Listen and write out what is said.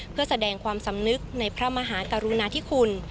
เพื่อแสดงความสำนึกในพระมหากรุณาธิคุณ